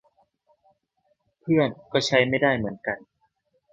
เพื่อนก็ใช้ไม่ได้เหมือนกัน